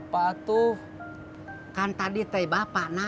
masuk kang amin